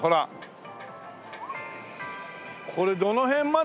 これどの辺まで塗るの？